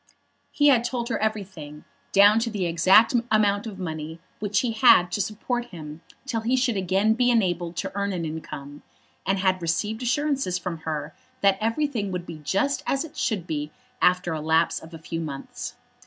He had told her everything, down to the exact amount of money which he had to support him till he should again be enabled to earn an income, and had received assurances from her that everything would be just as it should be after a lapse of a few months.